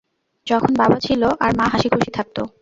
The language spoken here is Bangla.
যখন বাবা ছিল, আর মা হাসিখুশি থাকতো।